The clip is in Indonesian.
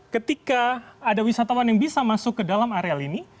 ketika ada wisatawan yang bisa masuk ke dalam area ini